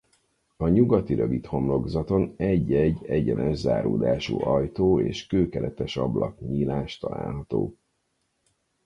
A nyugati rövid homlokzaton egy-egy egyenes záródású ajtó és kőkeretes ablaknyílás található.